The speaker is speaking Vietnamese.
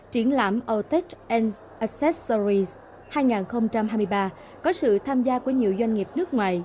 triển lãm autotech accessories hai nghìn hai mươi ba có sự tham gia của nhiều doanh nghiệp nước ngoài